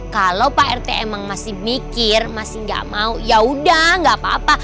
kalau pak rt emang masih mikir masih gak mau yaudah nggak apa apa